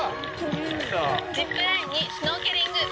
ジップラインにシュノーケリング。